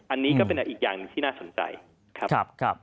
อันนี้ก็เป็นอีกอย่างหนึ่งที่น่าสนใจครับ